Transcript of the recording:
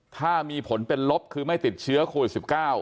ถ้ามีผลเป็นลบคือไม่ติดเชื้อโควิด๑๙